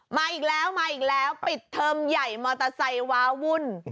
มาอีกแล้วปิดเทิมใหญ่มอเตอร์ไซค์วาวุ่น